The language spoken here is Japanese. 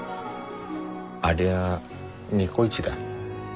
ありゃニコイチだ。